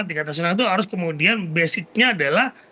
tingkat nasional itu harus kemudian basicnya adalah